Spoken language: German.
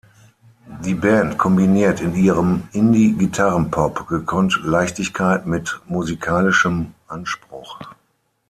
Die Band kombiniert in ihrem Indie-Gitarrenpop gekonnt Leichtigkeit mit musikalischem Anspruch.